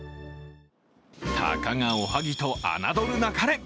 たかがおはぎとあなどるなかれ。